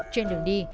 trên đường đi